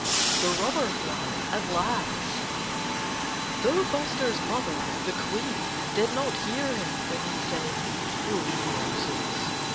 IX THE ROBBER FLY AT LAST Though Buster's mother, the Queen, did not hear him when he said "Oh, nonsense!"